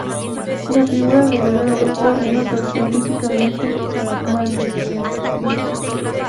La figura de Leda adopta una torsión típicamente manierista.